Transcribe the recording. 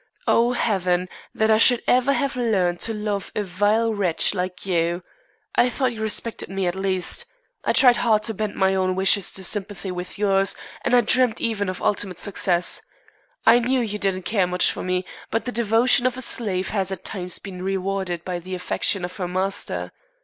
Oh, Heaven, that I should ever have learned to love a vile wretch like you. I thought you respected me, at least. I tried hard to bend my own wishes to sympathy with yours, and I dreamt even of ultimate success. I knew you didn't care much for me, but the devotion of a slave has at times been rewarded by the affection of her master.